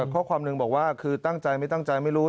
ข้อความหนึ่งบอกว่าคือตั้งใจไม่ตั้งใจไม่รู้